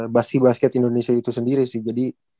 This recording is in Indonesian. basi basket indonesia itu sendiri sih jadi